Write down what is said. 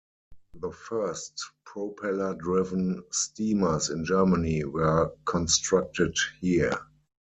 The first propeller-driven steamers in Germany were constructed here.